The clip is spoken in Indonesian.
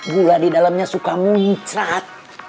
gula di dalamnya suka muncrat